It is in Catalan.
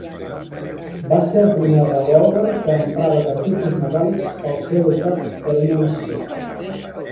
Va ser el primer revòlver que emprava cartutxos metàl·lics al ser adoptat per una nació.